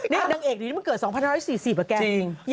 เนี่ยนางเอกนี้มันเกิด๒๑๔๐จริง